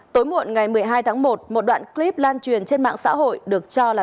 tối muộn ngày một mươi hai tháng một một đoạn clip lan truyền trên mạng xã hội được cho là